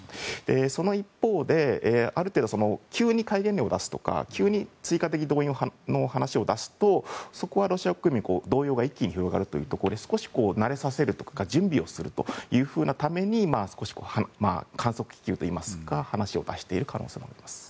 その一方で急に戒厳令を出すとか急に追加的動員の話を出すとそこはロシア国民に動揺が一気に広がるので少し慣れさせるとか準備をするために少し観測気球というか、話を出している可能性はあります。